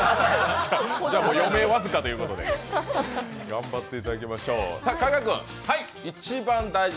余命僅かということで頑張っていただきましょう。